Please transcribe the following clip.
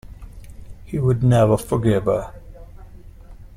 He would never forgive her.